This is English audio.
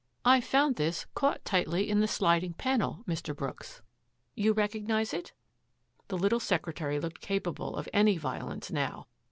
" I found this caught tightly in the sliding panel, Mr. Brooks. You recognise it? *' The little secretary looked capable of any vio lence now.